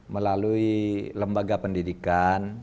melalui lembaga pendidikan